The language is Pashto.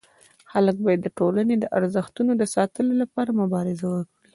خلک باید د ټولني د ارزښتونو د ساتلو لپاره مبارزه وکړي.